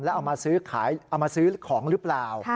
แล้วเอามาซื้อของหรือเปล่า